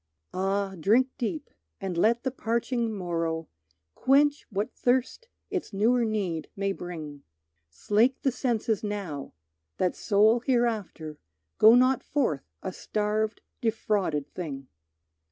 Ah, drink deep and let the parching morrow Quench what thirst its newer need may bring! Slake the senses now, that soul hereafter Go not forth a starved defrauded thing.